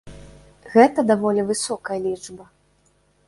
Гэта даволі высокая лічба.